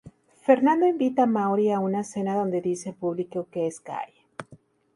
Fernando invita Mauri a una cena donde dice en público que es gay.